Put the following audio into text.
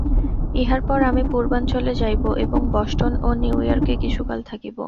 ইহার পর আমি পূর্বাঞ্চলে যাইব এবং বষ্টন ও নিউ ইয়র্কে কিছুকাল থাকিব।